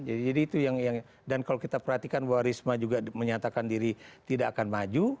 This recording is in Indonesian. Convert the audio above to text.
jadi itu yang dan kalau kita perhatikan bahwa risma juga menyatakan diri tidak akan maju